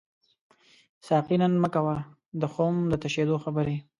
ساقي نن مه کوه د خُم د تشیدو خبري